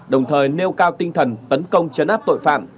đồng thời nêu cao tinh thần tấn công chấn áp tội phạm